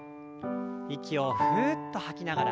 息をふうっと吐きながら。